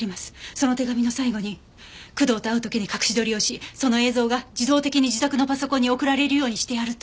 その手紙の最後に工藤と会う時に隠し撮りをしその映像が自動的に自宅のパソコンに送られるようにしてあると。